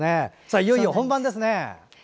いよいよ本番ですね！